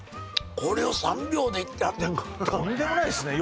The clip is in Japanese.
これを３秒でいってはってんからなとんでもないっすね